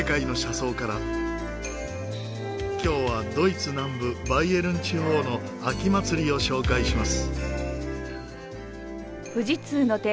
今日はドイツ南部バイエルン地方の秋祭りを紹介します。